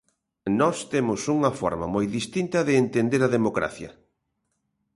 Nós temos unha forma moi distinta de entender a democracia.